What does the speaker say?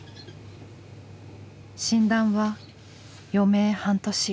診断は余命半年。